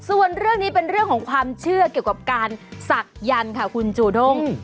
ส่วนเรื่องนี้เป็นเรื่องของความเชื่อเกี่ยวกับการศักยันต์ค่ะคุณจูด้ง